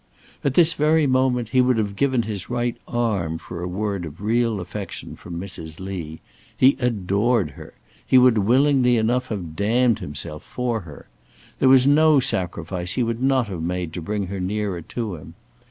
At this very moment he would have given his right arm for a word of real affection from Mrs. Lee. He adored her. He would willingly enough have damned himself for her. There was no sacrifice he would not have made to bring her nearer to him.